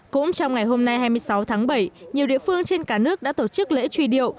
cũng trong ngày hôm nay hai mươi sáu tháng bảy nhiều địa phương trên cả nước đã tổ chức lễ truy điệu